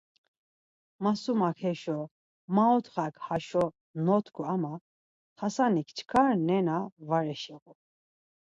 Masumak heşo, maotxak haşo notku ama Xasanik çkar nena var eşiğu.